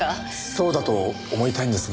そうだと思いたいんですが。